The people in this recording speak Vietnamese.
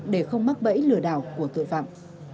để không mắc bẫy lừa đảo của tội phạm